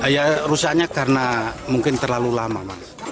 ya rusaknya karena mungkin terlalu lama mas